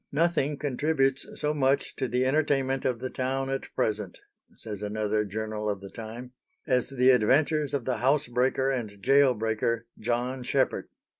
"Nothing contributes so much to the entertainment of the town at present," says another journal of the time, "as the adventures of the house breaker and gaol breaker, John Sheppard.